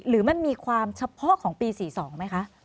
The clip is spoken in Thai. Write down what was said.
หรือมันมีความเฉพาะของปี๔๒ไหมคะ